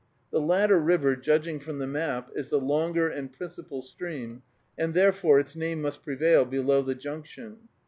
The latter river, judging from the map, is the longer and principal stream, and, therefore, its name must prevail below the junction.